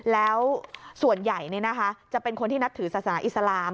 แล้วส่วนใหญ่จะเป็นคนที่นับถือศาสนาอิสลาม